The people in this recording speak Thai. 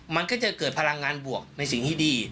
มันก็จะเกิดพลังงานบวกในสิ่งที่ดี